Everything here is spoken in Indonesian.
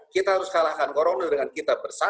kita harus kalahkan corona dengan kita bersama